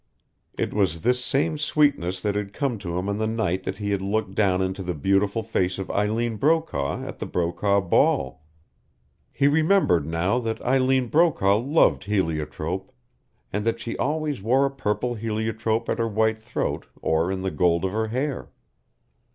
It was this same sweetness that had come to him on the night that he had looked down into the beautiful face of Eileen Brokaw at the Brokaw ball. He remembered now that Eileen Brokaw loved heliotrope, and that she always wore a purple heliotrope at her white throat or in the gold of her hair.